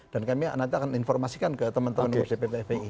dan kami nanti akan informasikan ke teman teman dari spi